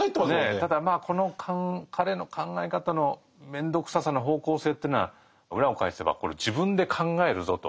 ただまあこの彼の考え方の面倒臭さの方向性っていうのは裏を返せばこれ「自分で考えるぞ」と。